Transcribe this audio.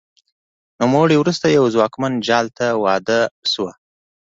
نوموړې وروسته یوه ځواکمن جال ته واده شوه